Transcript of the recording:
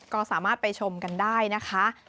ก็สามารถไปชมกันได้นะคะ